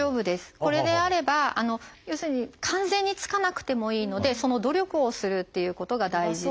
これであれば要するに完全につかなくてもいいのでその努力をするっていうことが大事で。